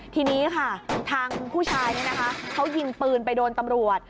ทีนี้ค่ะทางผู้ชายเนี่ยนะคะเขายิงปืนไปโดนตำรวจ